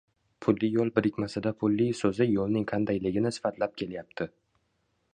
Pulli yoʻl birikmasida pulli soʻzi yoʻlning qandayligini sifatlab kelyapti